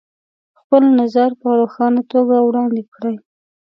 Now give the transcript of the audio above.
خپل نظر په روښانه توګه وړاندې کړئ.